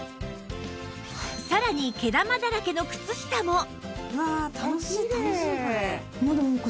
さらに毛玉だらけの靴下も！